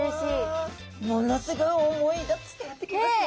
ものすごい思いが伝わってきますね。